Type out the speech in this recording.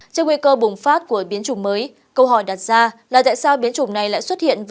trước nguy cơ bùng phát của biến chủng mới câu hỏi đặt ra là tại sao biến chủng này lại xuất hiện